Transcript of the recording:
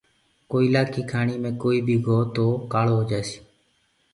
ڪوئيِلآ ڪيٚ کآڻي مي ڪوئيٚ بيٚ گو تو کآݪو هوجآسي۔